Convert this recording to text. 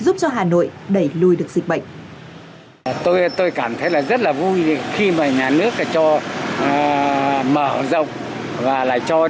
giúp cho hà nội đẩy lùi được dịch bệnh